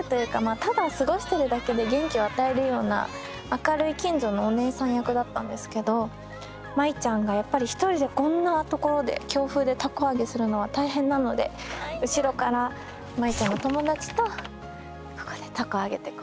ただ過ごしてるだけで元気を与えるような明るい近所のおねえさん役だったんですけど舞ちゃんがやっぱり一人でこんな所で強風で凧揚げするのは大変なので後ろから舞ちゃんの友達とここで凧揚げてこうやって揚げてました。